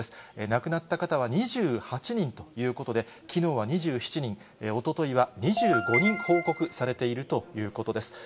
亡くなった方は２８人ということで、きのうは２７人、おとといは２５人報告されているということです。